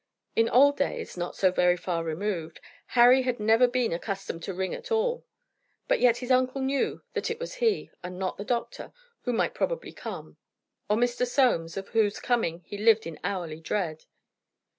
In old days, not so very far removed, Harry had never been accustomed to ring at all. But yet his uncle knew that it was he, and not the doctor, who might probably come, or Mr. Soames, of whose coming he lived in hourly dread.